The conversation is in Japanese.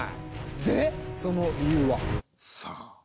でその理由は？さあ？